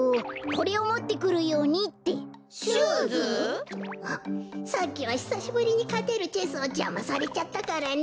こころのこえさっきはひさしぶりにかてるチェスをじゃまされちゃったからね。